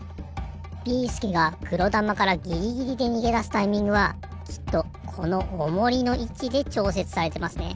ビーすけがくろだまからギリギリでにげだすタイミングはきっとこのオモリのいちでちょうせつされてますね。